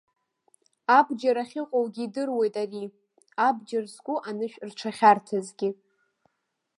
Абџьар ахьыҟоугьы идыруеит ари, абџьар зку анышә рҽахьарҭазгьы.